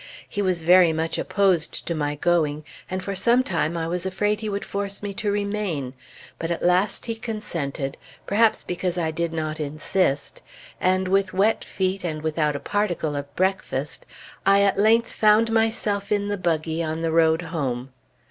He was very much opposed to my going; and for some time I was afraid he would force me to remain; but at last he consented, perhaps because I did not insist, and with wet feet and without a particle of breakfast, I at length found myself in the buggy on the road home.